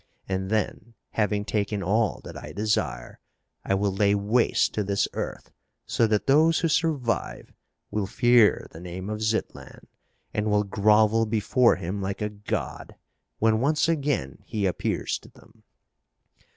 And then, having taken all that I desire, I will lay waste to this earth so that those who survive will fear the name of Zitlan and will grovel before him like a god when once again he appears to them."